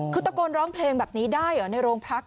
คือตะโกนร้องเพลงแบบนี้ได้เหรอในโรงพัก